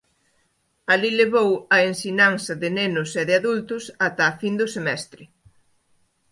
Alí levou a ensinanza de nenos e de adultos ata a fin do semestre.